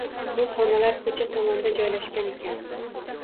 Bu xonalar ko’cha tomonda joylashgan ekan.